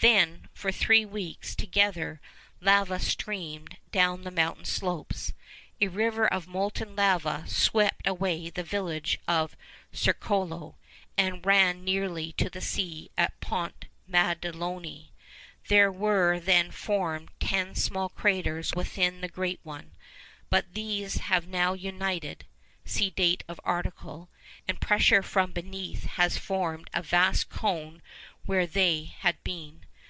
Then, for three weeks together, lava streamed down the mountain slopes. A river of molten lava swept away the village of Cercolo, and ran nearly to the sea at Ponte Maddaloni. There were then formed ten small craters within the great one. But these have now united (see date of article), and pressure from beneath has formed a vast cone where they had been.